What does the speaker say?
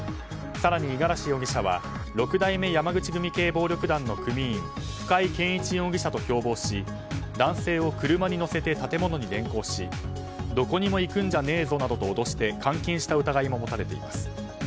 更に五十嵐容疑者は六代目山口組系暴力団の組員深井健一容疑者と共謀し男性を車に乗せて建物に連行しどこにも行くんじゃねえぞなどと脅して監禁した疑いが持たれています。